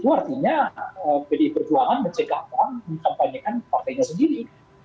artinya pilih perjuangan mencegah orang untuk mengkampanyekan partainya sendiri